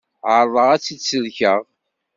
Ԑerḍeɣ ad tt-id-sellkeɣ.